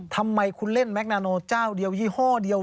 ทำไมคุณเล่นแมคนาโนเจ้าเดียวยี่ห้อเดียว